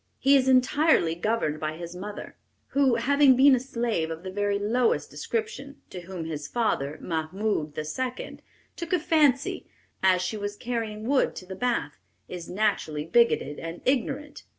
He is entirely governed by his mother, who, having been a slave of the very lowest description, to whom his father, Mahmoud II., took a fancy as she was carrying wood to the bath, is naturally bigoted and ignorant....